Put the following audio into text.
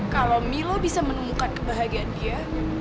kalau mila bisa menemukan kebahagiaan dia